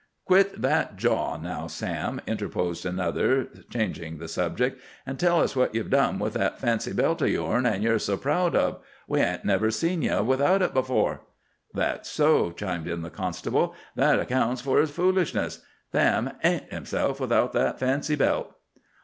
"Quit that jaw now, Sam," interposed another, changing the subject, "an' tell us what ye've done with that fancy belt o' yourn 'at ye're so proud of. We hain't never seen ye without it afore." "That's so," chimed in the constable. "That accounts for his foolishness. Sam ain't himself without that fancy belt."